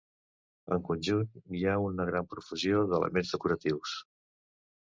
En conjunt hi ha una gran profusió d'elements decoratius.